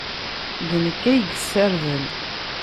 D nekk ay yessarden.